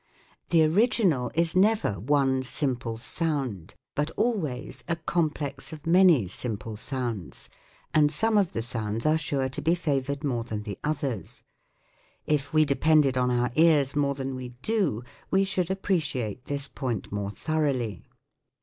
The original is never one simple sound, but always a complex of many simple sounds, and some of the sounds are sure to be favoured more than the others. If we depended on our ears more than we do, we should appreciate this point more thoroughly.